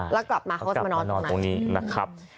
แล้วกลับมาเขาก็จะมานอนตรงนี้นะครับ